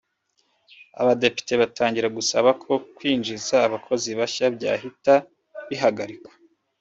abadepite batangira gusaba ko kwinjiza abakozi bashya byahita bihagarikwa